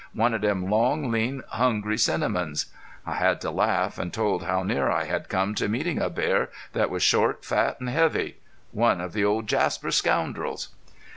"One of them long, lean, hungry cinnamons." I had to laugh, and told how near I had come to meeting a bear that was short, fat, and heavy: "One of the old Jasper scoundrels!"